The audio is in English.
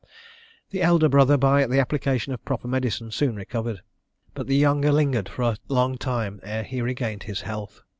The elder brother, by the application of proper medicine, soon recovered; but the younger lingered for a long time ere he regained his health.